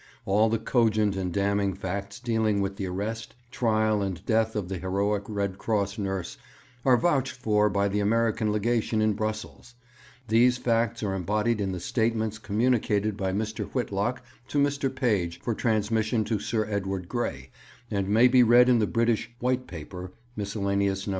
All the cogent and damning facts dealing with the arrest, trial, and death of the heroic Red Cross nurse are vouched for by the American Legation in Brussels; these facts are embodied in the statements communicated by Mr. Whitlock to Mr. Page for transmission to Sir Edward Grey, and may be read in the British 'White Paper,' _Miscellaneous No.